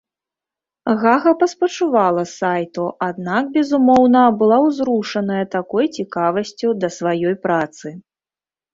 Гага паспачувала сайту, аднак, безумоўна, была ўзрушаная такой цікавасцю да сваёй працы.